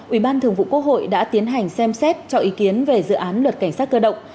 ủy ban thường vụ quốc hội đã tiến hành xem xét cho ý kiến về dự án luật cảnh sát cơ động